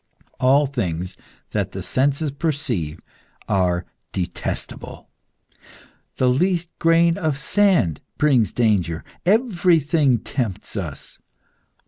All things that the senses perceive are detestable. The least grain of sand brings danger. Everything tempts us.